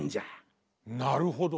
なるほど。